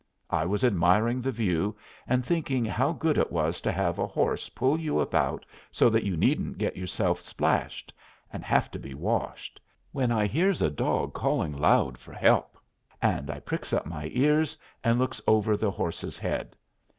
I was admiring the view, and thinking how good it was to have a horse pull you about so that you needn't get yourself splashed and have to be washed, when I hears a dog calling loud for help, and I pricks up my ears and looks over the horse's head.